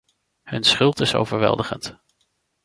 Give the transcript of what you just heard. Hun schuld is overweldigend.